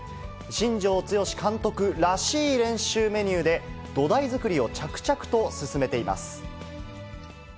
新庄剛志監督らしい練習メニューで、土台作りを着々と進めています。